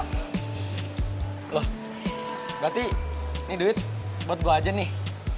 loh berarti ini duit buat gue aja nih